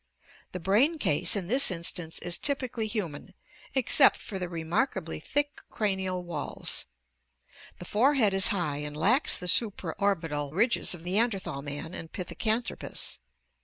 The brain case in this instance is typically human, except for the re markably thick cranial walls. The forehead is high and lacks the supraorbital ridges of Neanderthal man and Pithecanthropus.